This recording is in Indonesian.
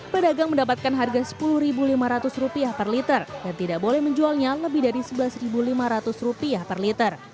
pedagang mendapatkan harga rp sepuluh lima ratus per liter dan tidak boleh menjualnya lebih dari rp sebelas lima ratus per liter